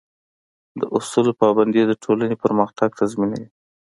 د اصولو پابندي د ټولنې پرمختګ تضمینوي.